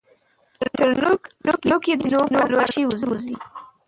تر نوک، نوک یې د چینو پلوشې وځي